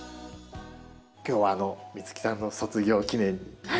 今日は美月さんの卒業記念に華やかな。